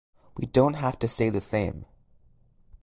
We don’t have to stay the same.